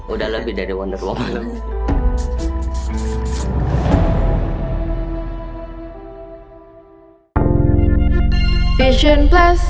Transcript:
udah lebih dari wonder woman